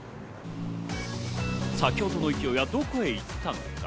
先ほどの勢いはどこへ行ったのか。